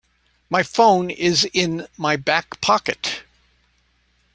My phone is in my back pocket.